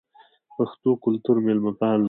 پښتو کلتور میلمه پال دی